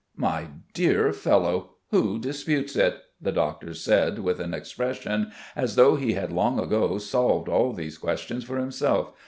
"My dear fellow, who disputes it?" the doctor said with an expression as though he had long ago solved all these questions for himself.